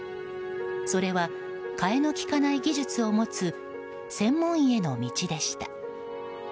それは替えの利かない技術を持つ専門医への道でした。